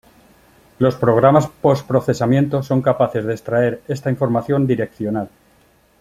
Los programas post-procesamiento son capaces de extraer esta información direccional.